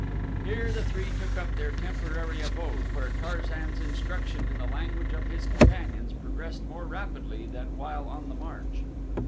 Here the three took up their temporary abode where Tarzan's instruction in the language of his companions progressed more rapidly than while on the march.